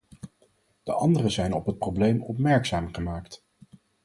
De anderen zijn op het probleem opmerkzaam gemaakt.